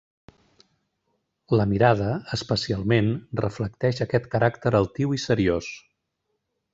La mirada, especialment, reflecteix aquest caràcter altiu i seriós.